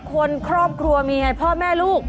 คนครอบครัวมีไงพ่อแม่ลูก